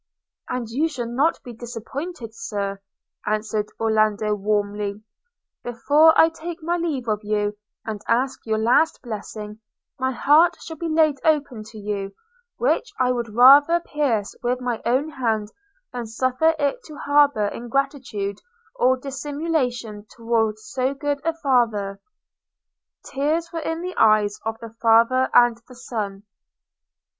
– 'And you shall not be disappointed, Sir,' answered Orlando warmly; 'before I take my leave of you, and ask your last blessing, my heart shall be laid open to you, which I would rather pierce with my own hand than suffer it to harbour ingratitude or dissimulation towards so good a father.' – Tears were in the eyes of the father and the son.